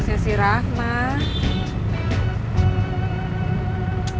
beli sayuran buat makan siang